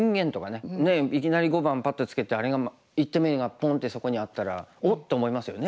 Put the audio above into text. ねえいきなり碁盤パッとつけてあれが１手目がポンってそこにあったら「おっ！」って思いますよね